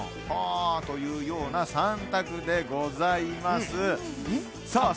というわけで３択でございます。